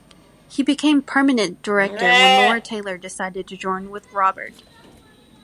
He became permanent director when Laura Taylor decided to join with Robert.